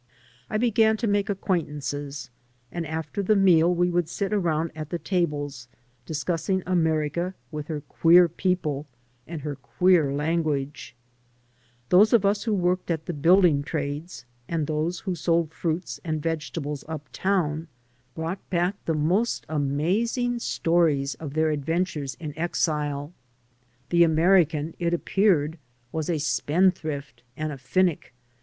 I began to make acquaintances; and after th# meal we would sit around at the tables, discussing America with her queer people and her queer language. Those of us who worked at the building trades and those who sold fruits and vegetables up town brought badk with them the most 100 • J •••••• VENTURES AND i. j>yj:K3>U3RE>:.:. amazing stories of their adventures in exile. The American, it appeared, was a spendthrift and a finick.